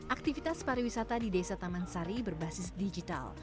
aktivitas pariwisata di desa taman sari berbasis digital